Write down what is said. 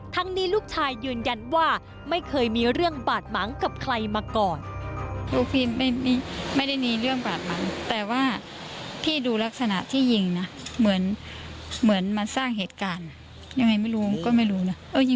นี้ลูกชายยืนยันว่าไม่เคยมีเรื่องบาดหมางกับใครมาก่อน